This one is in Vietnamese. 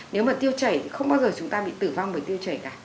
nếu mà tiêu chảy không bao giờ chúng ta bị tử vong bởi tiêu chảy cả